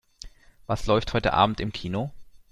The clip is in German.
Was läuft heute Abend im Kino?